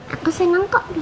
aku seneng kok